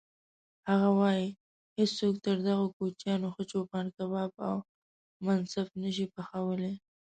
هغه وایي: هیڅوک تر دغو کوچیانو ښه چوپان کباب او منسف نه شي پخولی.